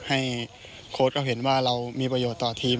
โค้ดก็เห็นว่าเรามีประโยชน์ต่อทีม